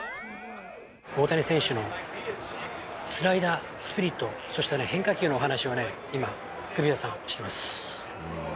大谷選手のスライダー、スプリット、そして変化球のお話をね、今、グビザさん、してます。